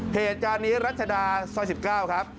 เหตุการณ์นี้รัชดาซอย๑๙ครับ